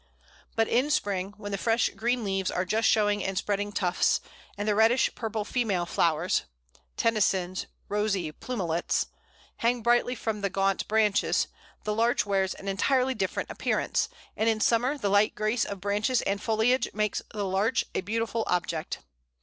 But in spring, when the fresh green leaves are just showing in spreading tufts, and the reddish purple female flowers Tennyson's "rosy plumelets" hang brightly from the gaunt branches, the Larch wears an entirely different appearance, and in summer the light grace of branches and foliage makes the Larch a beautiful object.